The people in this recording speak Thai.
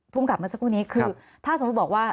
ภูมิกับเมื่อสักครู่นี้คือถ้าสมมติบอกว่า